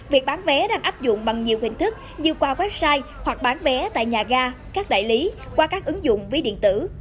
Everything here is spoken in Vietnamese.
việc bán vé đang áp dụng bằng nhiều hình thức như qua website hoặc bán vé tại nhà ga các đại lý qua các ứng dụng ví điện tử